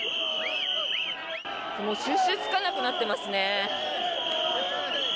収拾つかなくなってますね。